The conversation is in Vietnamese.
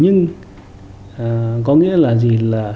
nhưng có nghĩa là gì là